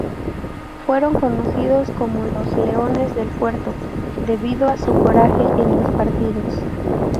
Fueron conocidos como los "leones del puerto" debido a su coraje en los partidos.